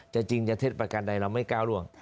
จริงจะเท็จประการใดเราไม่ก้าวร่วง